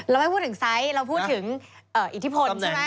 ไม่พูดถึงไซส์เราพูดถึงอิทธิพลใช่ไหม